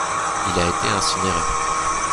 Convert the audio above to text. Il a été incinéré.